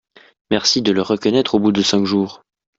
Merci de le reconnaître au bout de cinq jours.